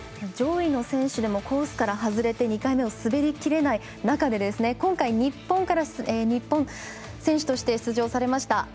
上位の選手でもコースから外れて２回目を滑りきれない中で今回、日本選手として出場されました